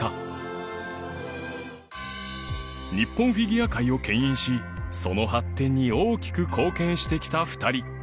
日本フィギュア界を牽引しその発展に大きく貢献してきた２人